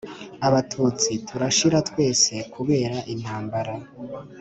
Abatutsi turashira twese kubera intambara